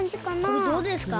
これどうですか？